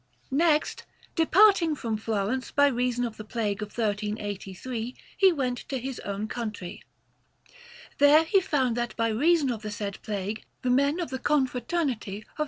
Next, departing from Florence by reason of the plague of 1383, he went to his own country. There he found that by reason of the said plague the men of the Confraternity of S.